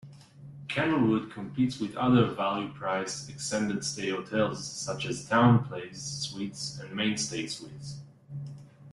Candlewood competes with other value-priced, extended-stay hotels such as TownePlace Suites and Mainstay Suites.